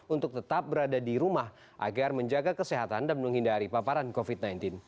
untuk tetap berada di rumah agar menjaga kesehatan dan menghindari paparan covid sembilan belas